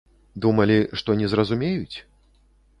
Думалі, што не зразумеюць?